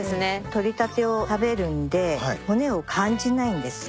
取れたてを食べるんで骨を感じないんですよ。